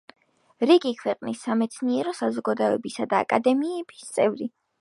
რიგი ქვეყნის სამეცნიერო საზოგადოებებისა და აკადემიების წევრი.